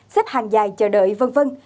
xếp hàng dài chờ đợi v v